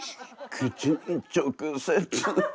口に直接。